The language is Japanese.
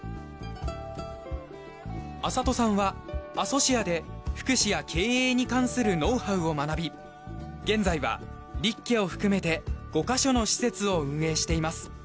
安里さんはアソシアで福祉や経営に関するノウハウを学び現在はリッケを含めて５カ所の施設を運営しています。